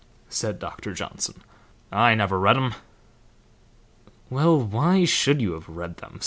said Doctor Johnson. "I never read 'em." "Well, why should you have read them?"